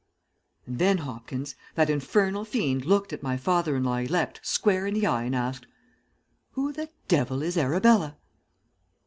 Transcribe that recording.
"And then, Hopkins, that infernal fiend looked my father in law elect square in the eye and asked, "'Who the devil is Arabella?'